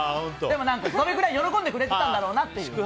それくらい喜んでくれてたんだろうなっていう。